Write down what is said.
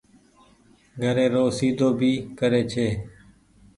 گهري رو سيڌو ڀي ڪري ڇي۔